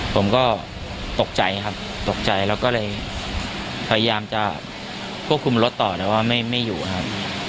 ผมก็ตกใจครับตกใจแล้วก็เลยพยายามจะควบคุมรถต่อแต่ว่าไม่อยู่ครับ